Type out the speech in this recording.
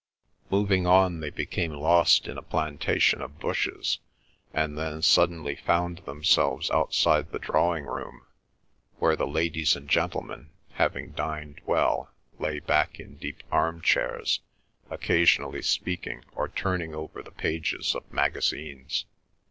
Moving on, they became lost in a plantation of bushes, and then suddenly found themselves outside the drawing room, where the ladies and gentlemen, having dined well, lay back in deep arm chairs, occasionally speaking or turning over the pages of magazines.